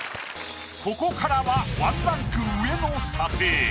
ここからは１ランク上の査定。